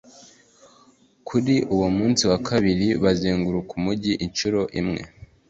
kuri uwo munsi wa kabiri, bazenguruka umugi incuro imwe.